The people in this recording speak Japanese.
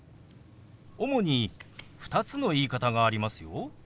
主に２つの言い方がありますよ。